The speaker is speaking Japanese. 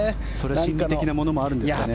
心理的なものもあるんですかね。